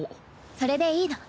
それでいいの。